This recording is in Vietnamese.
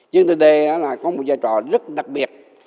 chiến từ d có một giai trò rất đặc biệt